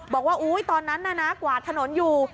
บอกว่าตอนนั้นน่ะนะกวาดถนนอยู่